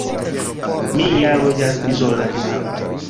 Mi ja loĝas izola, en arbaro.